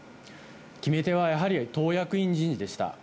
決め手はやはり、党役員人事でした。